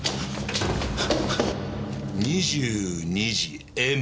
「２２時Ｍ」